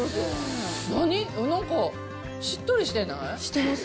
なんかしっとりしてないしてます。